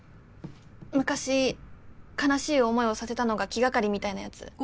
昔悲しい思いをさせたのが気がかりみたいなやつ。